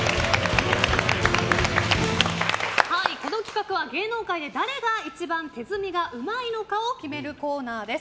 この企画は芸能界で誰が一番手積みがうまいのかを決めるコーナーです。